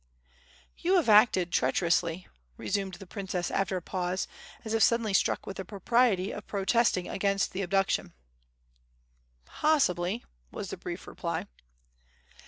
"You have acted treacherously," resumed the princess, after a pause, as if suddenly struck with the propriety of protesting against the abduction. "Possibly," was the brief reply.